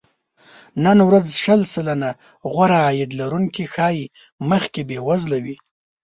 نن ورځ شل سلنه غوره عاید لرونکي ښايي مخکې بې وزله وي